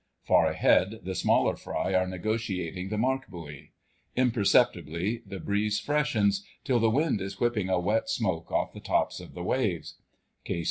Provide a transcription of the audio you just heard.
Far ahead the smaller fry are negotiating the mark buoy. Imperceptibly the breeze freshens, till the wind is whipping a wet smoke off the tops of the waves.